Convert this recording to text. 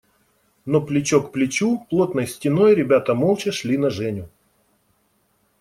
Но плечо к плечу, плотной стеной ребята молча шли на Женю.